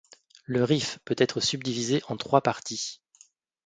Le Rif peut être subdivisé en trois parties.